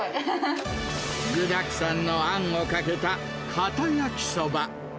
具だくさんのあんをかけた、かた焼きそば。